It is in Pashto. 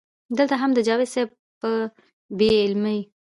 دلته هم د جاوېد صېب پۀ بې علمۍ